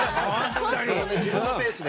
自分のペースで。